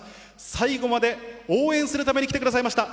最後まで応援するために来てくださいました。